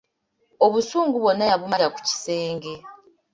Obusungu bwonna yabumalira ku kisenge.